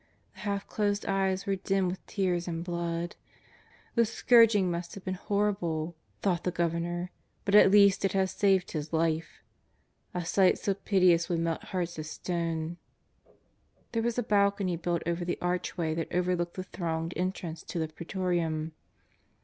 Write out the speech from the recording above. The half closed eyes were dim with tears and blood. The scourging must have been hor rible, thought the Governor, but at least it has saved His life ; a sight so piteous would melt hearts of stone. There was a balcony built over the archway that over looked the thronged entrance to the PrEetorium.